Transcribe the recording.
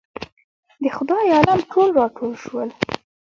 د خدای عالم ټول راټول شول.